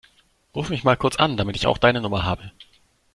Ruf mich mal kurz an, damit ich auch deine Nummer habe.